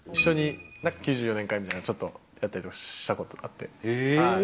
一緒に９４年会みたいなのをちょっとやったことがありまして。